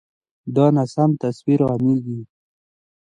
دا ناسم تصویر عامېږي.